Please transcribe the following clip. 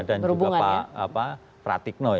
dan juga pak pratikno